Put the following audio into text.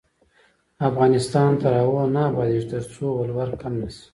افغانستان تر هغو نه ابادیږي، ترڅو ولور کم نشي.